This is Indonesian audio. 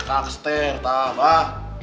kakster tak abah